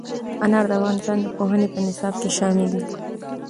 انار د افغانستان د پوهنې په نصاب کې شامل دي.